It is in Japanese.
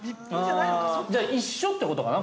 ◆じゃあ一緒ってことかな？